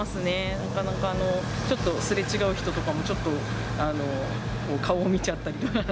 なかなか、ちょっとすれ違う人とかもちょっと顔を見ちゃったりとか。